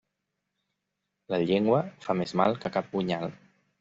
La llengua fa més mal que cap punyal.